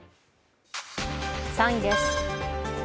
３位です。